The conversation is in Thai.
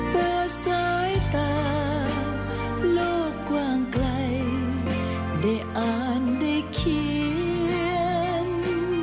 เปิดสายตาโลกกว้างไกลได้อ่านได้เขียน